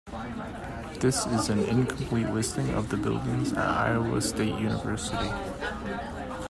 This is an incomplete listing of buildings at Iowa State University.